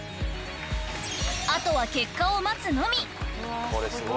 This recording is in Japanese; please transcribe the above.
［後は結果を待つのみ］